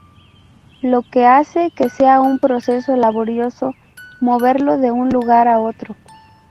Lo que hace que sea un proceso laborioso moverlo de un lugar a otro.